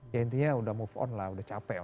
ya intinya udah move on lah udah capek